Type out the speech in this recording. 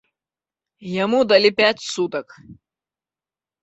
Яму далі пяць сутак.